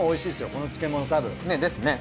この漬物たぶん。ですね。